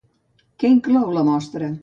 Què inclou la mostra?